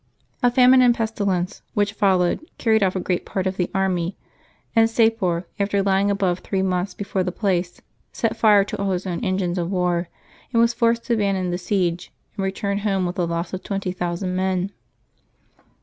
A famine and pestilence, which followed, carried off a great part of the army ; and Sapor, after lying above three months before the place, set fire to all his own engines of war, and was forced to abandon the siege and return home with the loss of twenty thousand men.